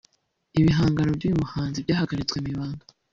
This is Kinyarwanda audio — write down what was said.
Ibihangano by’uyu muhanzi byahagaritswe mu ibanga